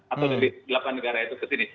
atau dari delapan negara itu ke sini